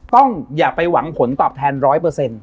อย่าไปหวังผลตอบแทนร้อยเปอร์เซ็นต